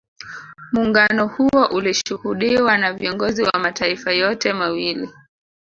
Muungano huo ulishuhudiwa na viongozi wa mataifa yote mawili